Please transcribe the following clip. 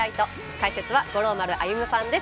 解説は五郎丸歩さんです。